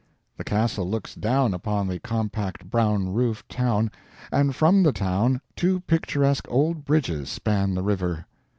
The Castle looks down upon the compact brown roofed town; and from the town two picturesque old bridges span the river.